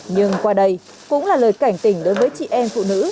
nhưng qua đây cũng là lời cảnh tỉnh đối với chị em phụ nữ